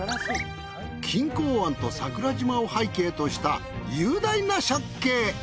錦江湾と桜島を背景とした雄大な借景。